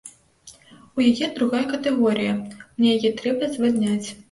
У яе другая катэгорыя, мне яе трэба звальняць.